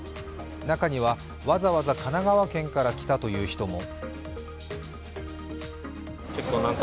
中には、わざわざ神奈川県から来たという人も。